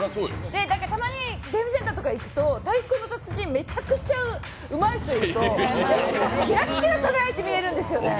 たまにゲームセンターとかいくと「太鼓の達人」、めっちゃうまい人とか見るとキラッキラ輝いて見えるんですよね。